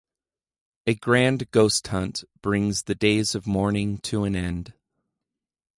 A grand ghost-hunt brings the days of mourning to an end.